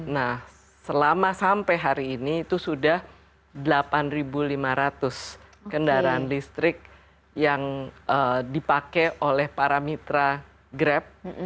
nah selama sampai hari ini itu sudah delapan lima ratus kendaraan listrik yang dipakai oleh para mitra grab